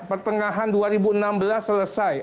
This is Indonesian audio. pertengahan dua ribu enam belas selesai